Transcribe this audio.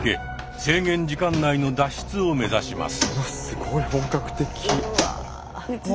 制限時間内の脱出を目指します。